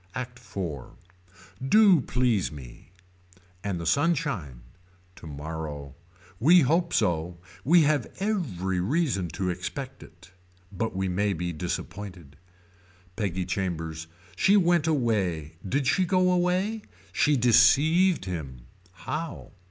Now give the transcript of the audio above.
ACT IV. Do please me. And the sunshine. Tomorrow. We hope so. We have every reason to expect it. But we may be disappointed. Peggy Chambers. She went away. Did she go away. She deceived him. How.